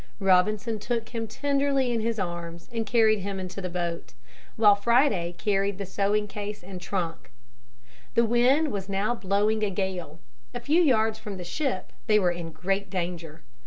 Robinson took him tenderly in his arms and carried him to the boat, while Friday carried the sewing case and the trunk. The wind was now blowing a gale. A few yards from the ship they were in great danger.